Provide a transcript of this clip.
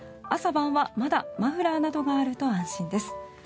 朝晩はまだマフラーなどがあると安心です。